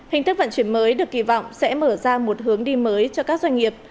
hình thức vận chuyển mới được kỳ vọng sẽ mở ra một hướng đi mới cho các doanh nghiệp